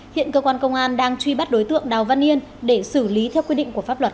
hiện cơ quan công an đang truy bắt đối tượng đào văn yên để xử lý theo quy định của pháp luật